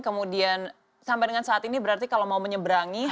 kemudian sampai dengan saat ini berarti kalau mau menyeberangi